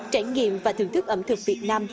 trải nghiệm và thưởng thức ẩm thực việt nam